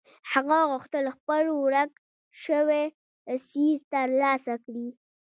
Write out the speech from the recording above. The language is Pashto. هغه غوښتل خپل ورک شوی څيز تر لاسه کړي.